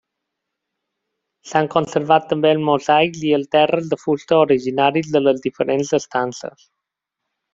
S'han conservat també els mosaics i els terres de fusta originaris de les diferents estances.